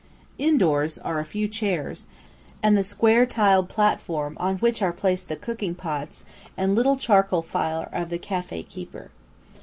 Indoors are a few chairs, and the square tiled platform on which are placed the cooking pots and little charcoal fire of the café keeper.